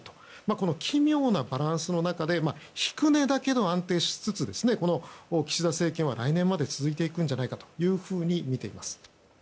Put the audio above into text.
この奇妙なバランスの中で低値だけど安定しつつ岸田政権は来年まで続いていくんじゃないかというふうにみています。